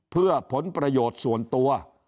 เพื่อผลประโยชน์ส่วนตัว